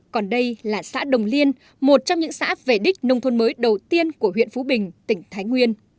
còn đây là xã đồng liên một trong những xã về đích nông thôn mới đầu tiên của huyện phú bình tỉnh thái nguyên